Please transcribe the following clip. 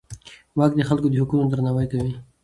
واک د خلکو د حقونو درناوی کوي.